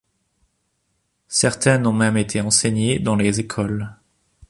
Certaines ont même été enseignées dans les écoles.